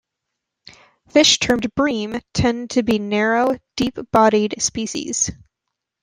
Fish termed "bream" tend to be narrow, deep-bodied species.